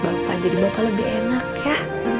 bapak jadi bapak lebih enak ya